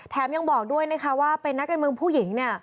แถมยังบอกด้วยนะคะว่าเป็นนักจนเมืองผู้หญิง